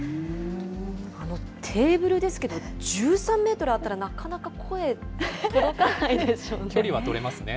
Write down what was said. あのテーブルですけど、１３メートルあったら、なかなか声、距離は取れますね。